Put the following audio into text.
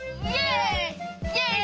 イエイ！